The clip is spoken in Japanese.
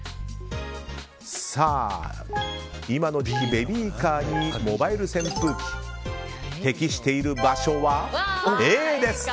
今の時期、ベビーカーにモバイル扇風機適している場所は？